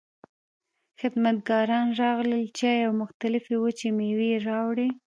خدمتګاران راغلل، چای او مختلفې وچې مېوې يې راوړې.